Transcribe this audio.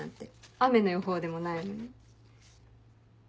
雨の予報でもないのに。